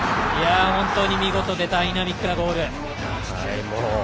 見事でダイナミックなゴール。